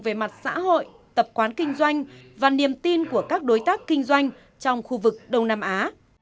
về mặt xã hội tập quán kinh doanh và niềm tin của các đối tác kinh doanh trong khu vực đông nam á